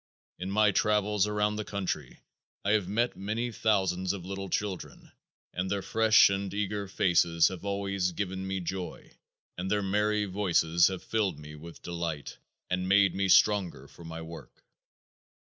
In my travels about the country I have met many thousands of little children and their fresh and eager faces have always given me joy and their merry voices have filled me with delight and made me stronger for my work.